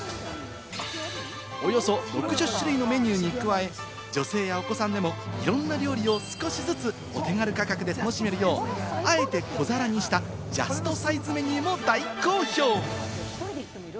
およそ６０種類のメニューに加え、女性や、お子さんでもいろんな料理を少しずつお手軽価格で楽しめるよう、あえて小皿にしたジャストサイズメニューも大好評！